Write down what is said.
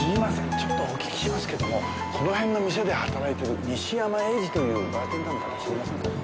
ちょっとお聞きしますけどもこの辺の店で働いてる西山英司というバーテンダーの方知りませんかね？